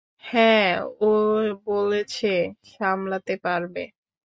হ্যাঁ, ও বলেছে সামলাতে পারবে।